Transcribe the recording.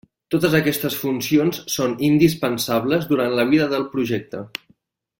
Totes aquestes funcions són indispensables durant la vida del projecte.